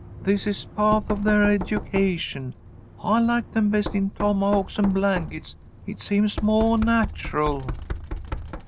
This is paht of their education. I like them best in tomahawks and blankets. It seems moah natural."